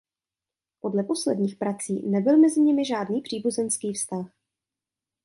Podle posledních prací nebyl mezi nimi žádný příbuzenský vztah.